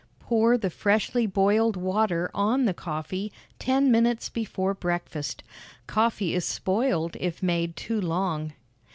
Pour the freshly boiled water on the coffee ten minutes before breakfast. Coffee is spoiled if made too long.